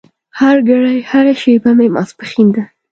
هرګړۍ هره شېبه مې ماسپښين ده